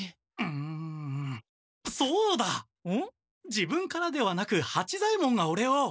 自分からではなく八左ヱ門がオレを。